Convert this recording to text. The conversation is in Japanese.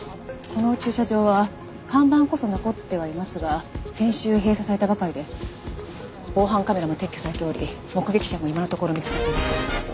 この駐車場は看板こそ残ってはいますが先週閉鎖されたばかりで防犯カメラも撤去されており目撃者も今のところ見つかっていません。